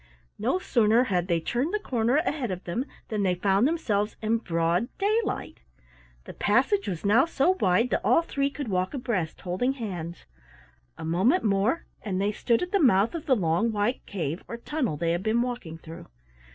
No sooner had they turned the corner ahead of them than they found themselves in broad daylight. The passage was now so wide that all three could walk abreast, holding hands; a moment more and they stood at the mouth of the long white cave or tunnel they had been walking through.